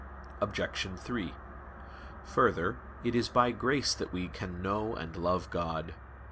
Obj. 3: Further, it is by grace that we can know and love God.